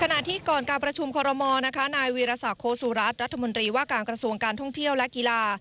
ขณะที่ก่อนการประชุมขอรมณ์นายวิราษาโคซูรัสรัฐมนตรีว่าการกระทรวงการท่องเที่ยวและกีฬา